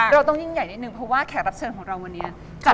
เราต้องยิ่งใหญ่นิดนึงเพราะว่าแขกรับเชิญของเราวันนี้